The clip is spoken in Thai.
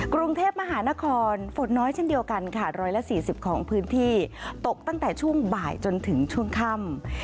กรุงเทพมหานครฝนน้อยเช่นเดียวกันค่ะ๑๔๐ของพื้นที่ตกตั้งแต่ช่วงบ่ายจนถึงช่วงค่ำ